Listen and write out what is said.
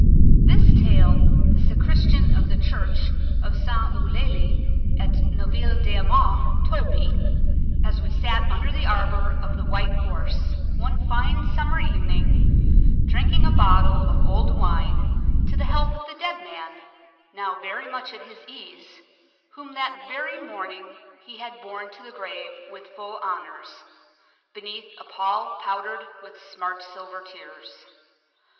This tale the sacristan of the church of St. Eulalie at Neuville d'Aumont told me, as we sat under the arbor of the White Horse, one fine summer evening, drinking a bottle of old wine to the health of the dead man, now very much at his ease, whom that very morning he had borne to the grave with full honors, beneath a pall powdered with smart silver tears.